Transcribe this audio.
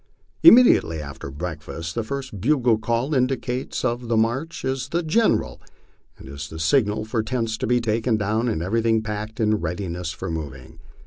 Immediately after breakfast the first bugle call indicative of the march is the " General," and is the signal for tents to be taken down and everything packed in readiness for moving.